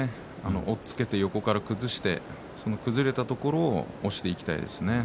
押っつけて横から崩してその崩れたところを押していきたいですね。